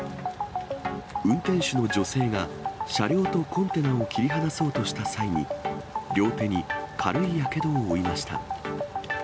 運転手の女性が車両とコンテナを切り離そうとした際に、両手に軽いやけどを負いました。